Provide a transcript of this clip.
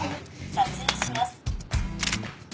撮影します。